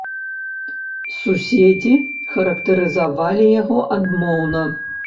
Суседзі характарызавалі яго адмоўна.